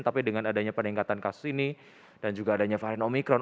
tapi dengan adanya peningkatan kasus ini dan juga adanya varian omikron